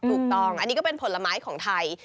ถูกต้องอันนี้ก็เป็นผลไม้ของไทย